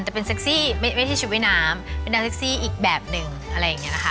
แต่เป็นเซ็กซี่เวทีชุดวินามเป็นแนวเซ็กซี่อีกแบบหนึ่งอะไรอย่างเงี้ยนะคะ